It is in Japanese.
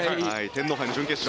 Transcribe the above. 天皇杯の準決勝。